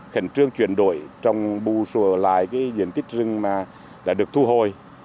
khẩn trương chuyển đổi trong bù sổ lại cái diện tích rừng mà đã được thu hồi